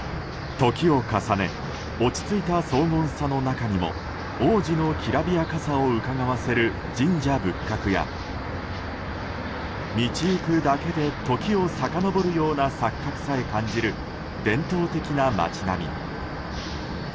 時を重ね落ち着いた荘厳さの中にも往時のきらびやかさをうかがわせる神社仏閣や道行くだけで時をさかのぼるような錯覚さえ感じる伝統的な街並み。